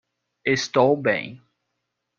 Estou bem.